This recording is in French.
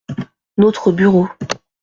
Notre bureau.